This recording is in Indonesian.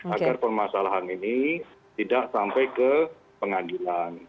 agar permasalahan ini tidak sampai ke pengadilan